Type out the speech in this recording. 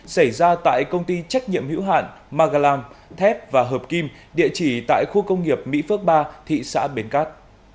xảy ra tại công ty trách nhiệm hữu hạn magalam thép và hợp kim địa chỉ tại khu công nghiệp mỹ phước ba thị xã bến cát